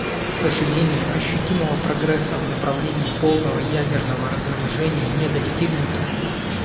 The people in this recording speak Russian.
К сожалению, ощутимого прогресса в направлении полного ядерного разоружения не достигнуто.